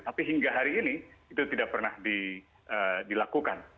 tapi hingga hari ini itu tidak pernah dilakukan